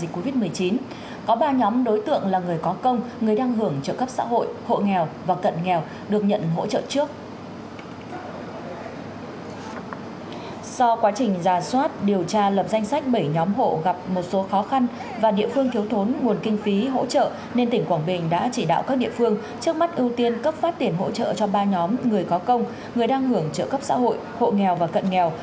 cho ba nhóm người có công người đang hưởng trợ cấp xã hội hộ nghèo và cận nghèo